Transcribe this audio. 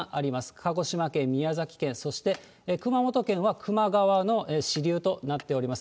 鹿児島県、宮崎県、そして熊本県は球磨川の支流となっております。